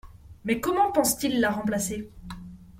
Mais comment pense-t-il la remplacer?